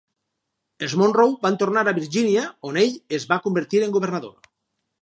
Els Monroe van tornar a Virgínia, on ell es va convertir en governador.